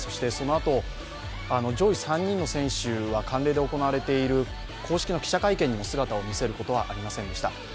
そのあと、上位．３人の選手は慣例で行われている公式の記者会見にも姿を見せることはありませんでした。